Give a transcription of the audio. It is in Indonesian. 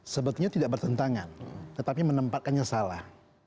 sebetulnya tidak bertentangan tetapi menempatkannya salah